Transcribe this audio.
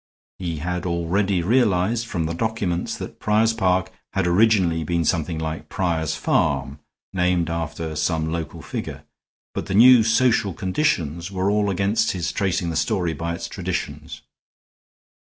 He had already realized, from the documents, that Prior's Park had originally been something like Prior's Farm, named after some local figure, but the new social conditions were all against his tracing the story by its traditions.